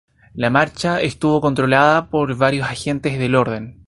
La marcha estuvo controlada por varios agentes del orden.